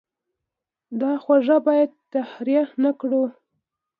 دا خوږه باید تریخه نه کړو.